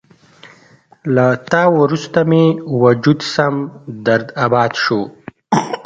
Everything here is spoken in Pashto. له تا وروسته مې وجود سم درداباد شو